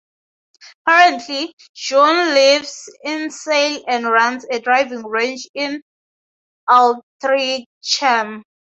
Currently, Dunne lives in Sale and runs a driving range in Altrincham.